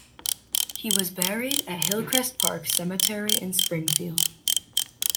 He was buried at Hillcrest Park Cemetery in Springfield.